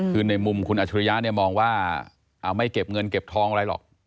คือในมุมคุณอัชริยะเนี่ยมองว่าไม่เก็บเงินเก็บทองอะไรหรอก